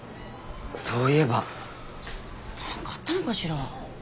そういえば何かあったのかしら？